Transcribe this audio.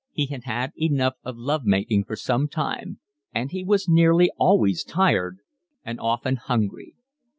He had had enough of love making for some time; and he was nearly always tired and often hungry.